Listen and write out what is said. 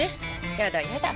やだやだ。